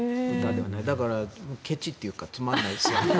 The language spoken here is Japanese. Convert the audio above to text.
だから、ケチというかつまらないですよ。